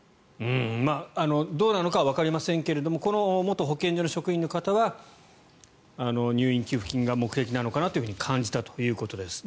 どうなのかはわかりませんがこの元保健所の職員の方は入院給付金が目的なのかなと感じたということです。